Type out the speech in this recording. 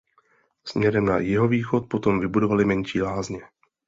Směrem na jihovýchod potom vybudovali menší lázně.